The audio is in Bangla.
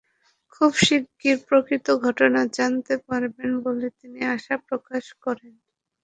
খুব শিগগির প্রকৃত ঘটনা জানাতে পারবেন বলে তিনি আশা প্রকাশ করেন।